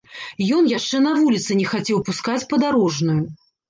Ён яшчэ на вуліцы не хацеў пускаць падарожную.